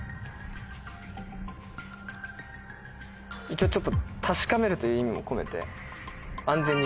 一応ちょっと確かめるという意味も込めて。